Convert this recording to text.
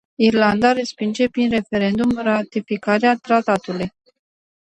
Irlanda respinge prin referendum ratificarea tratatului.